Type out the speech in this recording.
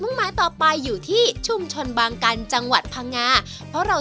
หมายต่อไปอยู่ที่ชุมชนบางกันจังหวัดพังงาเพราะเรา